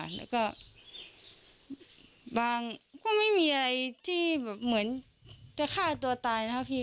แล้วก็บางก็ไม่มีอะไรที่แบบเหมือนจะฆ่าตัวตายนะครับพี่